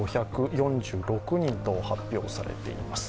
３５４６人と発表されています。